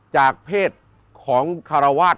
จากเพศของคารวาส